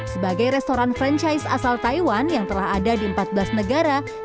sebagai restoran franchise asal taiwan yang telah ada di empat belas negara